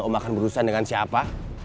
om akan berurusan dengan siapa